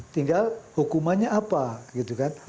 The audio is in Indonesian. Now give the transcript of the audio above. tinggal hukumannya apa gitu kan